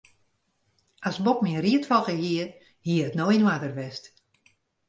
As Bob myn ried folge hie, hie it no yn oarder west.